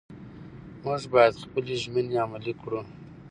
موږ باید خپلې ژمنې عملي کړو